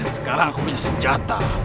sekarang aku punya senjata